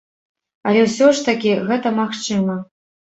Але ўсё ж такі гэта магчыма.